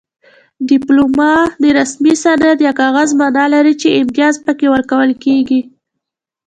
ډیپلوما د رسمي سند یا کاغذ مانا لري چې امتیاز پکې ورکول کیږي